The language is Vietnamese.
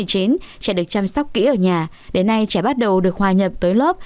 trẻ được chăm sóc kỹ ở nhà đến nay trẻ bắt đầu được hòa nhập tới lớp